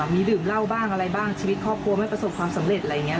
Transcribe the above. มีดื่มเหล้าบ้างอะไรบ้างชีวิตครอบครัวไม่ประสบความสำเร็จอะไรอย่างนี้